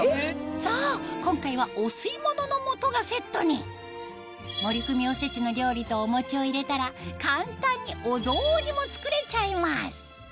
そう今回はお吸い物のもとがセットに森クミおせちの料理とお餅を入れたら簡単にお雑煮も作れちゃいます